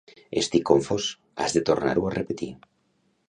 Estic confós, has de tornar-ho a repetir.